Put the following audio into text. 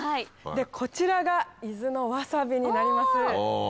こちらが伊豆のわさびになります。